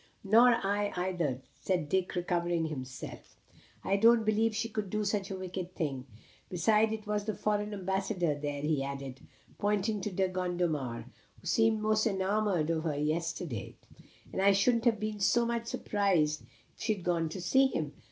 "Nor I either," said Dick, recovering himself. "I don't believe she could do such a wicked thing. Besides, it was the foreign ambassador, there," he added, pointing to De Gondomar, "who seemed most enamoured of her yesterday; and I shouldn't have been so much surprised if she had gone to see him.